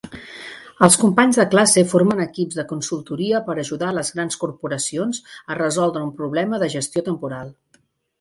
Els companys de classe formen equips de consultoria per ajudar les grans corporacions a resoldre un problema de gestió temporal.